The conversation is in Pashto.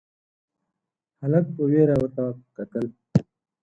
هلک په وېره ورته کتل: